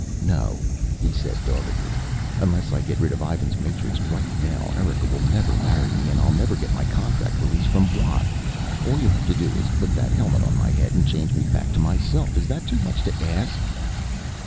"No," he said doggedly. "Unless I get rid of Ivan's matrix right now, Erika will never marry me and I'll never get my contract release from Watt. All you have to do is put that helmet on my head and change me back to myself. Is that too much to ask?"